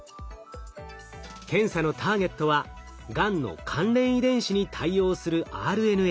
検査のターゲットはがんの関連遺伝子に対応するＲＮＡ。